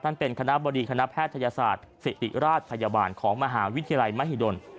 เป็นคณะบดีคณะแพทยศาสตร์ศิริราชพยาบาลของมหาวิทยาลัยมหิดล